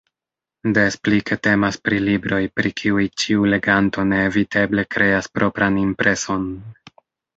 Des pli ke temas pri libroj, pri kiuj ĉiu leganto neeviteble kreas propran impreson.